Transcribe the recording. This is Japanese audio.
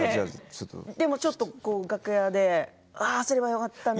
でもちょっと楽屋でああすればよかったって。